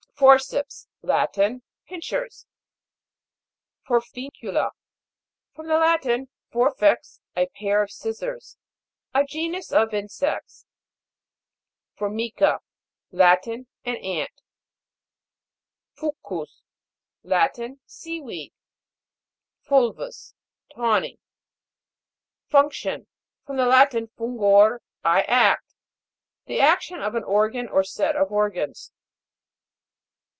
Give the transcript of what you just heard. FOR'CEPS. Latin. Pincers. FOR'FICULA. From the Latin, /or/ear, a pair of scissors. A genus of insects. FOR'MICA. Latin. An ant. Fu'cus. Latin. Sea weed. Fut/ vous. Tawny. FUNC'TION. From the Latin, fungor, I act. The action of an organ or set of organs.